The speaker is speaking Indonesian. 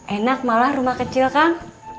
enak malah rumah kecil kang